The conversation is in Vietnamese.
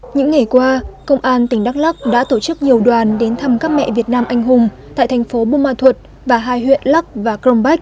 những ngày qua công an tỉnh đắk lắc đã tổ chức nhiều đoàn đến thăm các mẹ việt nam anh hùng tại thành phố bù ma thuật và hai huyện lắc và crong bách